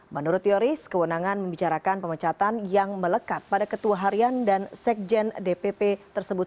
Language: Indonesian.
menurut yoris kewenangan membicarakan pemecatan yang melekat pada ketua harian dan sekjen dpp tersebut